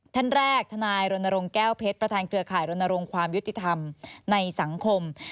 ท่านแรกธนายรณรงค์แก้วเพชรประธานเครือข่ายรณรงค์ความยุติธรรมในสังคม